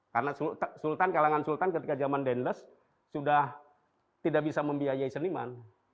karena kalangan sultan ketika zaman dendles sudah tidak bisa membiayai seniman